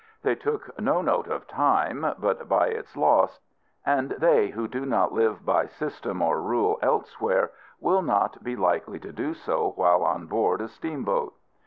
They took "no note of time, but by its loss." And they who do not live by system or rule elsewhere, will not be likely to do so while on board a steamboat.